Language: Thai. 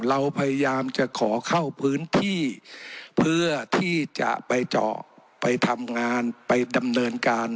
เราพยายามจะขอเข้าพื้นที่เพื่อที่จะไปเจาะไปทำงานไปดำเนินการ